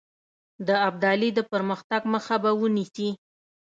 د ابدالي د پرمختګ مخه به ونیسي.